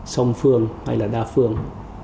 song phương hay là đa phương